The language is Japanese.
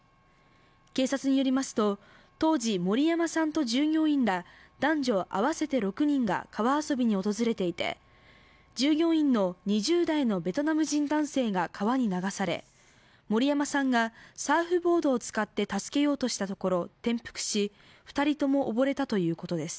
警察によりますと、当時森山さんと従業員ら男女合わせて６人が川遊びに訪れていて従業員の２０代のベトナム人男性が川に流され森山さんがサーフボードを使って助けようとしたところ、転覆し、２人とも溺れたということです。